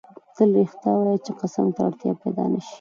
تل رښتیا وایه چی قسم ته اړتیا پیدا نه سي